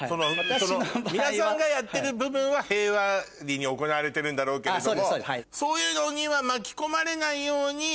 皆さんがやってる部分は平和裏に行われてるんだろうけれども。